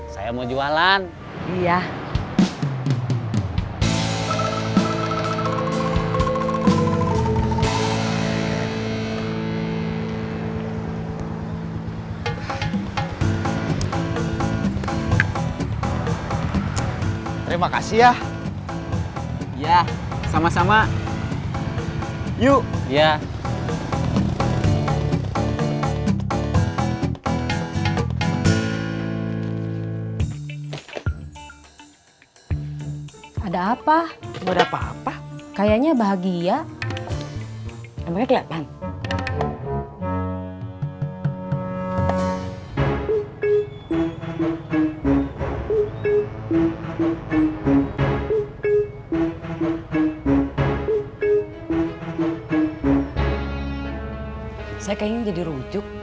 saya kayaknya jadi rujuk